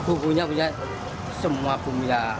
bumbunya punya semua bumbu ya